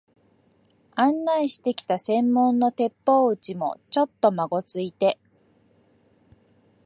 案内してきた専門の鉄砲打ちも、ちょっとまごついて、